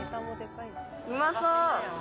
うまそう。